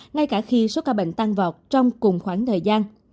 ngay cả khi số ca bệnh tăng vọt trong cùng khoảng thời gian